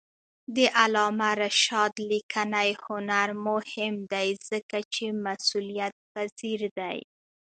د علامه رشاد لیکنی هنر مهم دی ځکه چې مسئولیتپذیر دی.